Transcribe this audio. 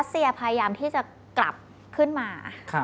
เซียพยายามที่จะกลับขึ้นมา